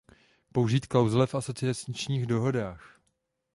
Použít klauzule v asociačních dohodách.